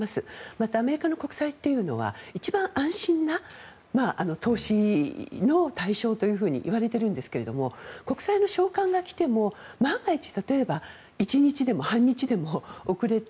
またアメリカの国債というのは一番安心な投資の対象というふうにいわれているんですが国債の償還が来ても万が一、例えば１日でも半日でも遅れて